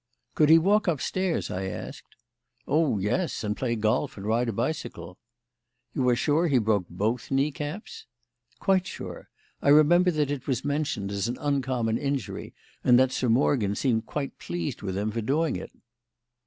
"Could he walk upstairs?" I asked. "Oh, yes; and play golf and ride a bicycle." "You are sure he broke both knee caps?" "Quite sure. I remember that it was mentioned as an uncommon injury, and that Sir Morgan seemed quite pleased with him for doing it."